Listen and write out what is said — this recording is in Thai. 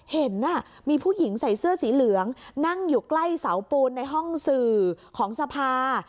เห็นมีผู้หญิงใส่เสื้อสีเหลืองนั่งอยู่ใกล้เสาปูนในห้องสื่อของสภา